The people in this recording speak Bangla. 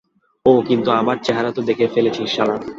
ওহ, কিন্তু আমার চেহারা তো দেখে ফেলেছিস, শালা।